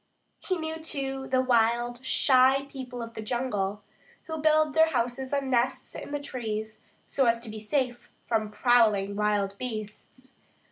He knew, too, the wild, shy people of the jungle, who build their houses like nests in the trees, so as to be safe from prowling wild beasts.